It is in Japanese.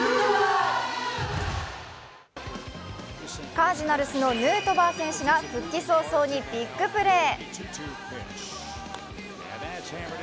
カージナルスのヌートバー選手が復帰早々にビッグプレー。